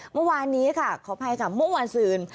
เมื่อวานนี้ขออภัยกับโม่งวาสืน